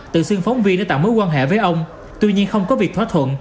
từ xương phóng viên đã tạo mối quan hệ với ông tuy nhiên không có việc thoát thuận